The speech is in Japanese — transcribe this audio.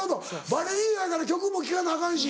バレリーナやから曲も聴かなアカンし。